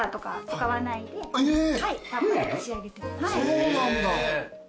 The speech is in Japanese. そうなんだ。